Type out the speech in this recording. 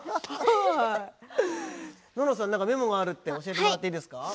暖乃さん何かメモがあるって教えてもらっていいですか？